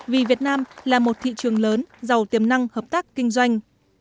vì việt nam là một thị trường lớn giàu tiềm năng hợp tác kinh doanh